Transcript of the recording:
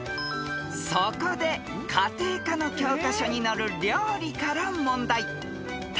［そこで家庭科の教科書に載る料理から問題］